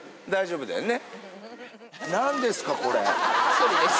そりです